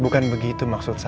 bukan begitu maksudnya